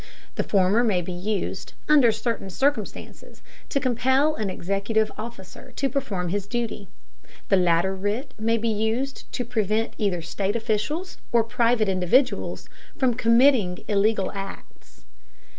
The former may be used, under certain circumstances, to compel an executive officer to perform his duty; the latter writ may be used to prevent either state officials or private individuals from committing illegal acts.